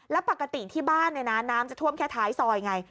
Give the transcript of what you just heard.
แล้วปกติที่บ้านเนี่ยนะน้ำจะท่วมแค่ท้ายซอยไง